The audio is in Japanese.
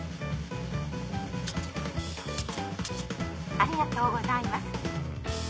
ありがとうございます。